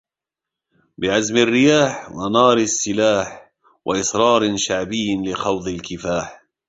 بعزم الرياح ونار السلاح وإصرار شعبي لخوض الكفاح